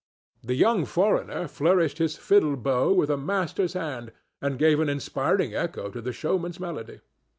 The young foreigner flourished his fiddle bow with a master's hand, and gave an inspiring echo to the showman's melody.